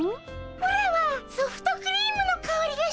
オラはソフトクリームのかおりがしたっピ。